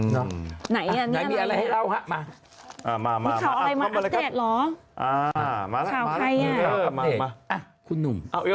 นี่ไงมันอะไรให้เล่าฮะมา